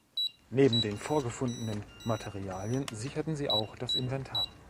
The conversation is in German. Neben den vorgefundenen Materialien sicherten sie auch das Inventar.